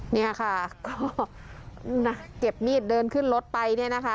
เนี่ยค่ะก็เก็บมีดเดินขึ้นรถไปเนี่ยนะคะ